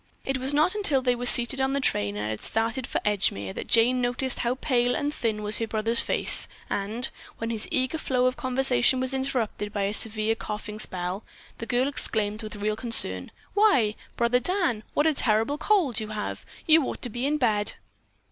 It was not until they were seated on the train and had started for Edgemere that Jane noticed how pale and thin was her brother's face, and, when his eager flow of conversation was interrupted by a severe coughing spell, the girl exclaimed with real concern, "Why, Brother Dan, what a terrible cold you have! You ought to be in bed."